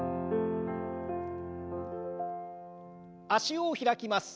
脚を開きます。